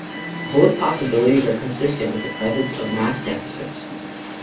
Both possibilities are consistent with the presence of mass deficits.